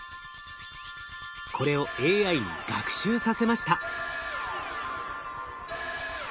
これをＡＩに学習させました。